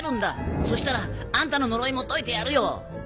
そしたらあんたの呪いも解いてやるよ！